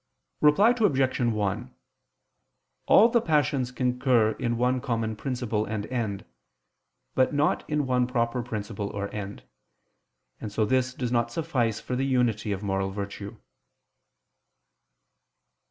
Reply Obj. 1: All the passions concur in one common principle and end; but not in one proper principle or end: and so this does not suffice for the unity of moral virtue.